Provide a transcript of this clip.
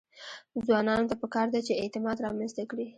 ځوانانو ته پکار ده چې، اعتماد رامنځته کړي.